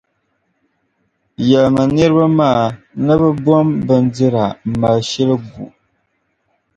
yɛlimi niriba maa ni bɛ bom’ bindira m-mali shili gu.